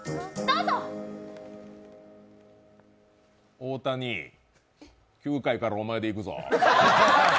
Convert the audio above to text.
大谷、９回からお前でいくぞ。